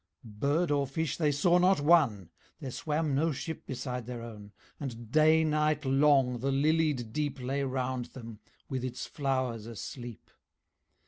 Bird or fish they saw not one; There swam no ship beside their own, And day night long the lilied Deep Lay round them, with its flowers asleep.